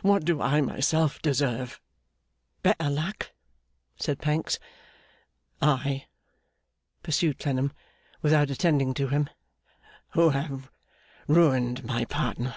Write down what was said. What do I myself deserve!' 'Better luck,' said Pancks. 'I,' pursued Clennam, without attending to him, 'who have ruined my partner!